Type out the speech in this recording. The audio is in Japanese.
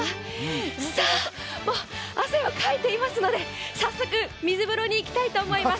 さあ、もう汗をかいていますので、早速水風呂に行きたいと思います。